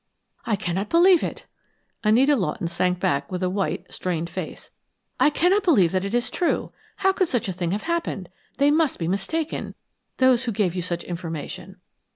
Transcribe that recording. "I cannot believe it!" Anita Lawton sank back with white, strained face. "I cannot believe that it is true. How could such a thing have happened? They must be mistaken those who gave you such information.